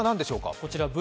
こちらＶ